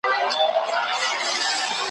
کتاب یعني تر ټولو وفاداره ملګری !